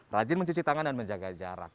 rajin mencuci tangan dan menjaga jarak